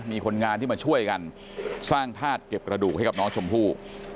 มีคนงานที่มาช่วยกันสร้างธาตุเก็บกระดูกให้กับน้องชมพู่